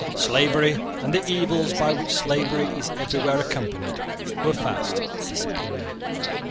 Slavery and the evils by which slavery is everywhere accompanied were fast disappearing.